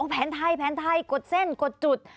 แผนไทยแผนไทยกดเส้นกดจุด